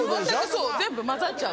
そう全部交ざっちゃう。